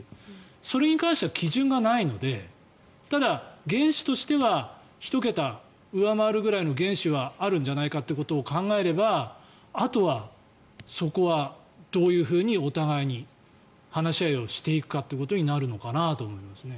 それに関しては基準がないのでただ、原資としては１桁上回るくらいの原資はあるんじゃないかということを考えればあとはそこはどういうふうにお互いに話し合いをしていくのかというところになると思います。